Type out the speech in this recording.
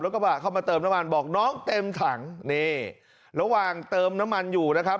กระบะเข้ามาเติมน้ำมันบอกน้องเต็มถังนี่ระหว่างเติมน้ำมันอยู่นะครับ